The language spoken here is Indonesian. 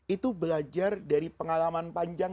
itu belajar dari pengalaman panjang